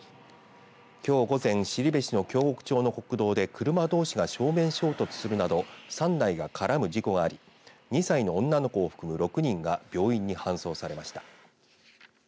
きょう午前後志の京極町の国道で車どうしが正面衝突するなど３台が絡む事故があり２歳の女の子を含む６人が病院に搬送されました。